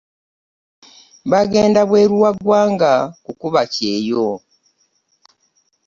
Bagenda bweru wa ggwanga kukuba kyeyo.